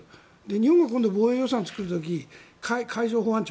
日本が今度防衛予算を作る時に海上保安庁